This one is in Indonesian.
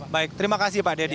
baik terima kasih pak deddy